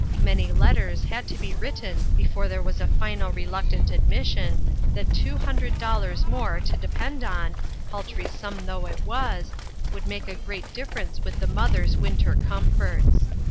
Many letters had to be written before there was a final reluctant admission that two hundred dollars more to depend on, paltry sum though it was, would make a great difference with the mother's winter comforts.